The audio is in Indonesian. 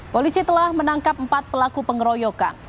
polisi telah menangkap empat pelaku pengeroyokan